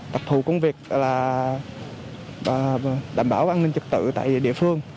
tập thù công việc là đảm bảo an ninh trực tự tại địa phương